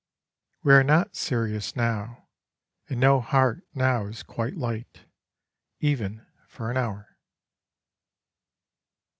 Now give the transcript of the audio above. We are not serious now, and no heart now is quite light, even for an hour.